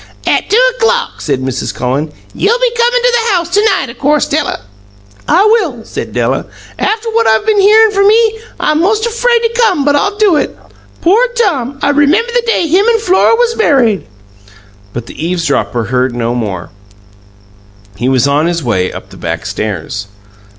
"At two o'clock," said Mrs. Cullen. "Ye'll be comin' to th' house to night, o' course, Della?" "I will," said Della. "After what I've been hearin' from ye, I'm 'most afraid to come, but I'll do it. Poor Tom! I remember the day him an' Flora was married " But the eavesdropper heard no more; he was on his way up the back stairs.